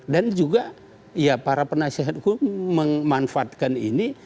dan juga ya para penasihat hukum memanfaatkan ini